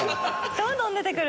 どんどん出てくる。